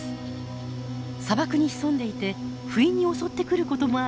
砂漠に潜んでいて不意に襲ってくることもある